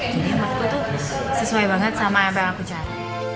jadi menurutku itu sesuai banget sama apa yang aku cari